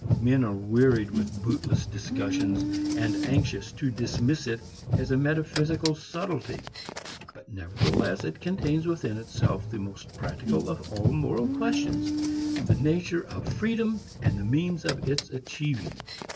Men are wearied with bootless discussion, and anxious to dismiss it as a metaphysical subtlety. But nevertheless it contains within itself the most practical of all moral questions, the nature of freedom and the means of its achieving.